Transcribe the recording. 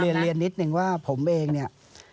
เรียนเรียนนิดนึงว่าผมเองเนี่ย